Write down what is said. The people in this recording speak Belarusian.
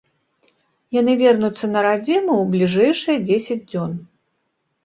Яны вернуцца на радзіму ў бліжэйшыя дзесяць дзён.